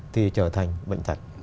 thì trở thành bệnh thật